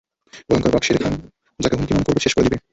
ভয়ংকর বাঘ শেরে খান যাকে হুমকি মনে করবে, শেষ করে দেবে।